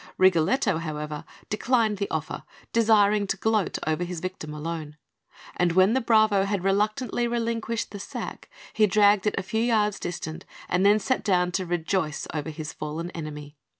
Rigoletto, however, declined the offer, desiring to gloat over his victim alone; and when the bravo had reluctantly relinquished the sack, he dragged it a few yards distant, and then sat down to rejoice over his fallen enemy.